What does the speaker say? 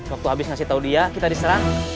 waktu habis ngasih tau dia kita diserang